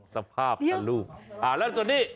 สภาพตรรูปอ่าแล้วส่วนนี้